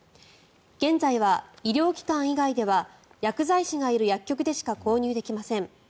現在は医療機関以外では薬剤師がいる薬局でしか購入できません。